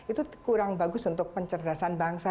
itu kurang bagus untuk pencerdasan bangsa